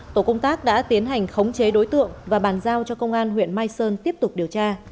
tổ công tác đã tiến hành khống chế đối tượng và bàn giao cho công an huyện mai sơn tiếp tục điều tra